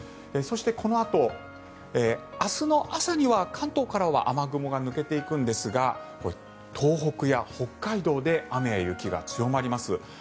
そして、このあと明日の朝には関東からは雨雲が抜けていくんですが東北や北海道で雨や雪が強まります。